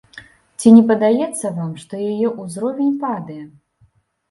Ці не падаецца вам, што яе ўзровень падае?